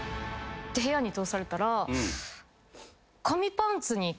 部屋に通されたら。